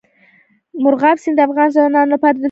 مورغاب سیند د افغان ځوانانو لپاره دلچسپي لري.